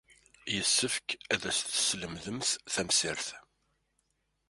Yessefk ad as-teslemdemt tamsirt.